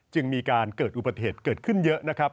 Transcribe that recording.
จึงมีการเกิดอุบัติเหตุเกิดขึ้นเยอะนะครับ